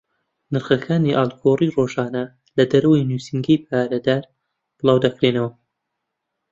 نرخەکانی ئاڵوگۆڕ ڕۆژانە لە دەرەوەی نووسینگەی پارەدار بڵاو دەکرێنەوە.